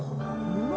うわ。